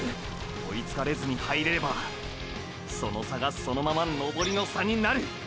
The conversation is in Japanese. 追いつかれずに入れればその差がそのまま登りの差になる！！